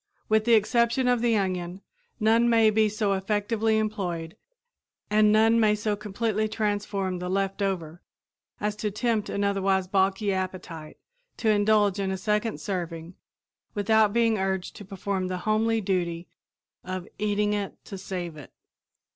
With the exception of the onion, none may be so effectively employed and none may so completely transform the "left over" as to tempt an otherwise balky appetite to indulge in a second serving without being urged to perform the homely duty of "eating it to save it."